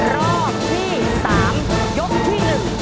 รอบที่สามยกที่หนึ่ง